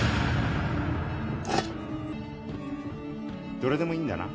どれでもいいんだな？